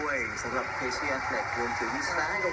เคซีอาฟเล็กรวมถึงแซงอวอร์ดนะครับ